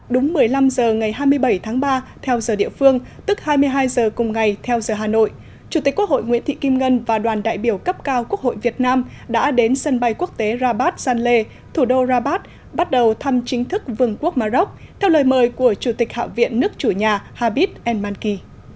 đúng một mươi năm h ngày hai mươi bảy ba theo giờ địa phương tức hai mươi hai h cùng ngày theo giờ hà nội chủ tịch quốc hội nguyễn thị kim ngân và đoàn đại biểu cấp cao quốc hội việt nam đã đến sân bay quốc tế rabat zanle thủ đô rabat bắt đầu thăm chính thức vườn quốc mà rốc theo lời mời của chủ tịch hạ viện nước chủ nhà habib en manki